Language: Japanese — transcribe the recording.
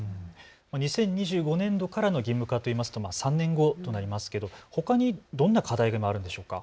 ２０２５年度からの義務化というと３年後となりますがほかにどんな課題があるんでしょうか。